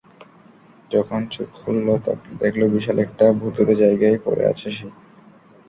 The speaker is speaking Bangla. যখন চোখ খুলল, দেখল বিশাল একটা ভুতুড়ে জায়গায় পড়ে আছে সে।